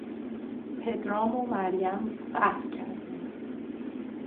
پدرام و مریم قهر کردند.